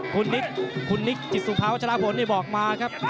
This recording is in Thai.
คุณนิคคุณนิคจิตสุภาวชาวผลบอกมาครับ